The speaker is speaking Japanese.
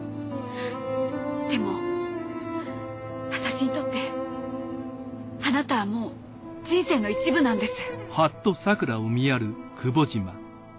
でも私にとってあなたはもう人生の一部なんです。